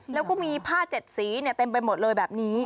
แล้วก็มีผ้า๗สีเต็มไปหมดเลยแบบนี้